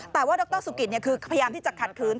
แต่ว่าดรสุกิตคือพยายามที่จะขัดคืน